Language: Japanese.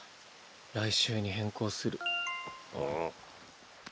来週に変更する。